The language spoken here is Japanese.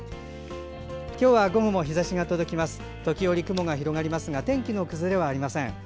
午後も日ざしが届きますが時折雲が広がりますが天気の崩れはありません。